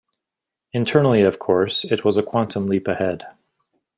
Internally of course, it was a quantum leap ahead.